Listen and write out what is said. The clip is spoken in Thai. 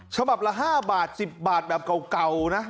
ฉบับละ๕บาท๑๐บาทแบบเก่านะ